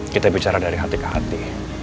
kita bicara dari hati ke hati